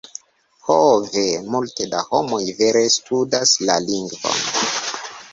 "Ho ve, multe da homoj vere studas la lingvon.